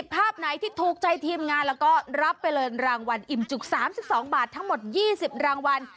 ภาพไหนที่ถูกใจทีมงานแล้วก็รับไปเลยรางวัลอิ่มจุก๓๒บาททั้งหมด๒๐รางวัล